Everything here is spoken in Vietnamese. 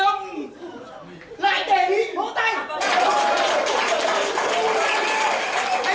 lại đề nghị vô tay